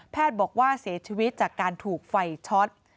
บอกว่าเสียชีวิตจากการถูกไฟช็อต